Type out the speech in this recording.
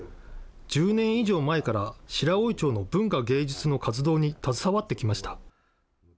１０年以上前から、白老町の文化芸術の活動に携わってきました。